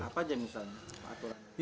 apa jenisnya aturannya